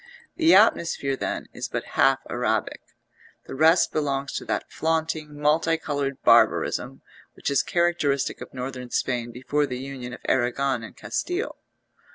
The atmosphere, then, is but half Arabic; the rest belongs to that flaunting, multi coloured barbarism which is characteristic of Northern Spain before the union of Arragon and Castile.